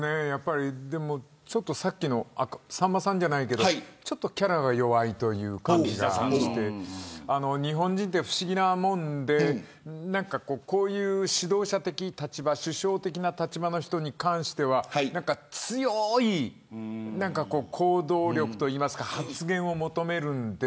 さっきのさんまさんじゃないけどキャラが弱いという感じがして日本人って不思議なもんでこういう指導者的立場の人に関しては強い行動力というか発言を求めるんですよね。